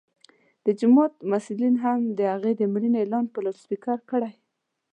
د جومات مسؤلینو هم د هغه د مړینې اعلان په لوډسپیکر کړی.